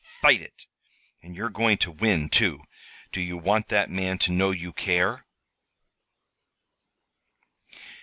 fight it! And you're going to win, too. Do you want that man to know you care?"